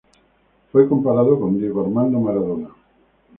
Fue comparado con Diego Armando Maradona.